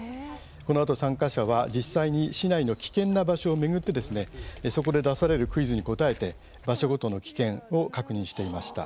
このあと参加者は実際に市内の危険な場所を巡ってそこで出されるクイズに答えて場所ごとの危険を確認していました。